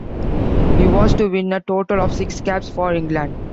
He was to win a total of six caps for England.